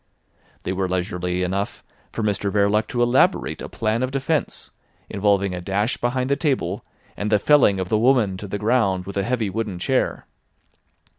They were leisurely enough for Mr Verloc to elaborate a plan of defence involving a dash behind the table, and the felling of the woman to the ground with a heavy wooden chair.